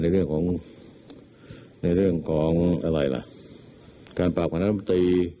ในเรื่องของการปรอบขนาดมตรี